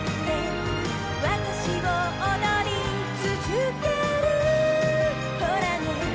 「わたしを踊りつづけるほらね」